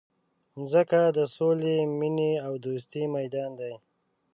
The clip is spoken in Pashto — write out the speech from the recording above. مځکه د سولي، مینې او دوستۍ میدان دی.